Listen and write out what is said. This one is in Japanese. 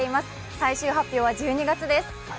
最終発表は１２月です。